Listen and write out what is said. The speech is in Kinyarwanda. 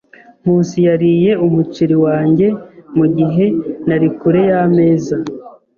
Nkusi yariye umuceri wanjye mugihe nari kure yameza.